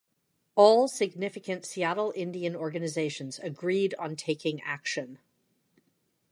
All significant Seattle Indian organizations agreed on taking action.